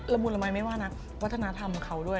มุนละมัยไม่ว่านักวัฒนธรรมเขาด้วย